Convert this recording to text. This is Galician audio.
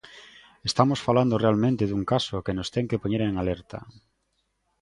Estamos falando realmente dun caso que nos ten que poñer en alerta.